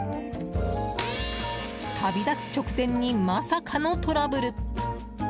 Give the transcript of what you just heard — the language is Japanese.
旅立つ直前に、まさかのトラブル。